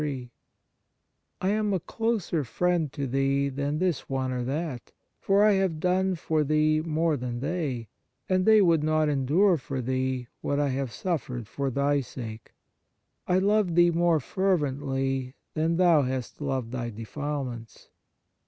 t "I am a closer friend to thee than this one or that, for I have done for thee more than they, and they would not endure for thee what I have suffered for thy sake. ... I love thee more fervently than thou hast loved thy defilements.